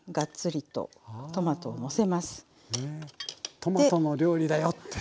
トマトの料理だよっていう。